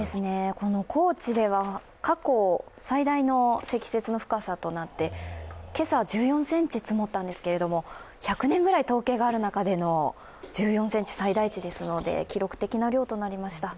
この高知では過去最大の積雪の深さとなって今朝１４ｃｍ積もったんですけれども、１００年ぐらい統計がある中での最大値ですので記録的な量となりました。